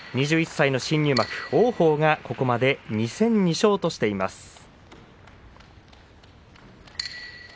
２１歳の新入幕王鵬がここまで２戦２勝としています。